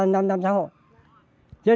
tham gia năm xã hội